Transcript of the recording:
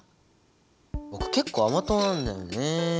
僕結構甘党なんだよね。